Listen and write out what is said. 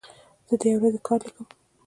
زه د یوې ورځې کار لیکم.